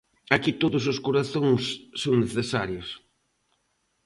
Aquí todos os corazóns son necesarios.